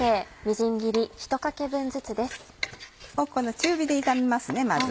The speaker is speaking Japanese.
中火で炒めますねまず。